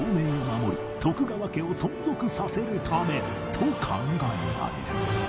と考えられる